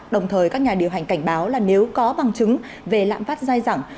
đồng thời các nhà điều hành cảnh báo là nếu có bằng chứng về lạm phát dai dẳng